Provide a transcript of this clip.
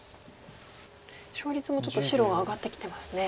勝率もちょっと白が上がってきてますね。